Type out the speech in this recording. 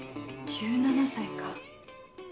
１７歳か。